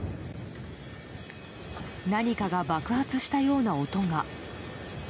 何かが爆発したような音が。